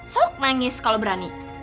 suk nangis kalau berani